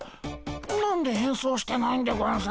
何で変装してないんでゴンス？